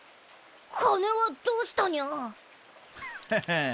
金はどうしたニャ？へへっ。